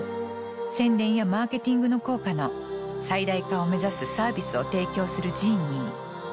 宣伝やマーケティングの効果の最大化を目指すサービスを提供するジーニー。